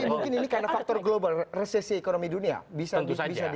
tapi mungkin ini karena faktor global resesi ekonomi dunia bisa di